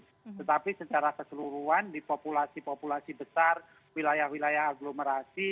tetapi secara keseluruhan di populasi populasi besar wilayah wilayah aglomerasi